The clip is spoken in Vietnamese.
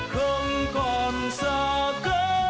không còn xa cơn